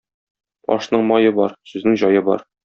Ашның мае бар, сүзнең җае бар.